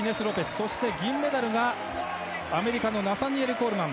そして銀メダルがアメリカのナサニエル・コールマン。